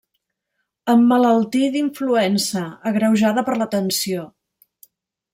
Emmalaltí d'influença, agreujada per la tensió.